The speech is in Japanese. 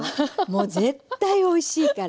もう絶対おいしいから。